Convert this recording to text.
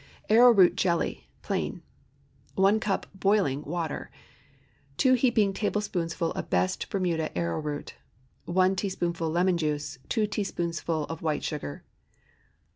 ARROWROOT JELLY (Plain.) ✠ 1 cup boiling water. 2 heaping teaspoonfuls of best Bermuda arrowroot. 1 teaspoonful lemon juice. 2 teaspoonfuls of white sugar.